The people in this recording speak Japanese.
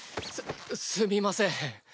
すすみません。